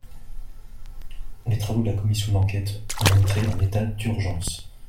Les travaux de la commission d’enquête ont montré un état d’urgence.